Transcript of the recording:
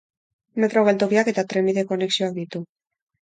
Metro geltokiak eta trenbide konexioak ditu.